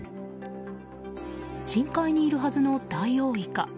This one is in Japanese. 深海にいるはずのダイオウイカ。